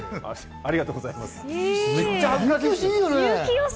ありがとうございます。